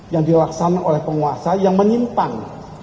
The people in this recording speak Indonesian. yang dilaksanakan oleh penguasa yang menyimpang